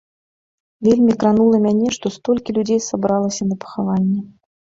Вельмі кранула мяне, што столькі людзей сабралася на пахаванне.